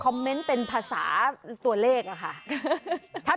เมนต์เป็นภาษาตัวเลขอะค่ะ